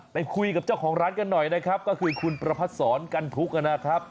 ไปคุยกับเจ้าของร้านกันหน่อยนะครับก็คือคุณประพัดศรกันทุกข์นะครับ